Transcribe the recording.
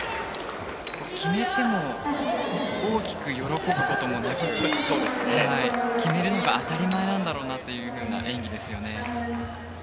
決めても大きく喜ぶこともなく決めるのが当たり前なんだろうなというような演技ですよね。